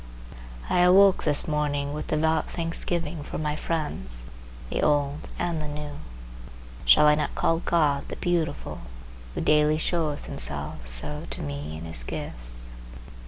I awoke this morning with devout thanksgiving for my friends, the old and the new. Shall I not call God the Beautiful, who daily showeth himself so to me in his gifts?